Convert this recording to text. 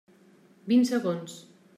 Vint segons.